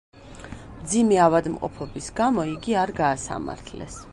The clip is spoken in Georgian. მძიმე ავადმყოფობის გამო იგი არ გაასამართლეს.